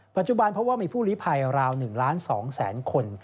ปัจจุบันเพราะว่ามีผู้ลิภัยราว๑ล้าน๒แสนคน